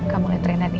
kamu mulai trenan ya